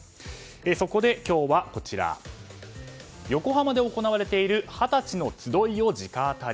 そこで、今日はこちら横浜で行われている２０歳のつどいを直アタリ。